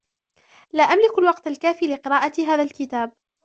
لا أملك الوقت الكافي لقراءة هذا الكتاب